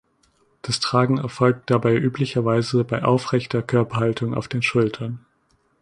Das Tragen erfolgt dabei üblicherweise bei aufrechter Körperhaltung auf den Schultern.